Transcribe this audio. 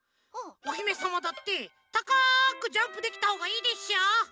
おひめさまだってたかくジャンプできたほうがいいでしょう？